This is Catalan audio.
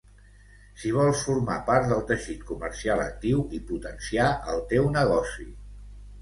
Si vols formar part del teixit comercial actiu, i potenciar el teu negoci.